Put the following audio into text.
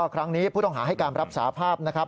ครั้งนี้ผู้ต้องหาให้การรับสาภาพนะครับ